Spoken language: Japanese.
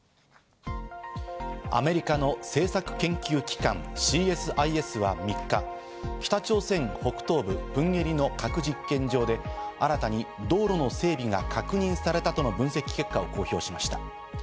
アメリカの政策研究機関＝ＣＳＩＳは３日、北朝鮮北東部プンゲリの核実験場で、新たに道路の整備が確認されたとの分析結果を公表しました。